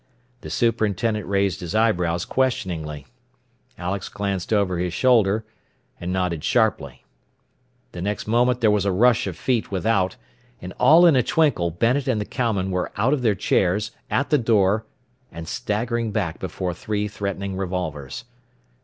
The superintendent raised his eyebrows questioningly. Alex glanced over his shoulder, and nodded sharply. The next moment there was a rush of feet without, and all in a twinkle Bennet and the cowman were out of their chairs, at the door, and staggering back before three threatening revolvers.